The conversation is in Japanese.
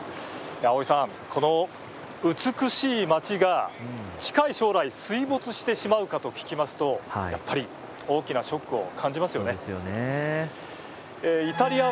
青井さん、この美しい街が近い将来水没してしまうかと聞くとやっぱり、大きなショックを感じますよね。